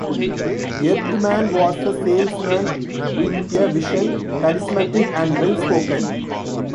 Erdman was a salesman with a vision; charismatic and well spoken.